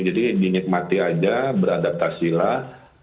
jadi dinikmati aja beradaptasilah